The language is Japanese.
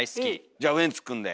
じゃあウエンツくんで。